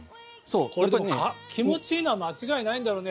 気持ちいいのは間違いないんだろうね。